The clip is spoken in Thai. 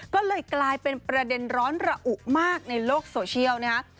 ก็เลยกลายเป็นประเด็นร้อนระอุมากในโลกโซเชียลนะฮะ